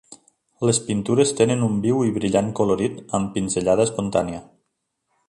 Les pintures tenen un viu i brillant colorit amb pinzellada espontània.